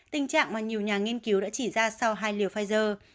tình trạng mà nhiều nhà nghiên cứu đã chỉ ra sau hai liều pfizer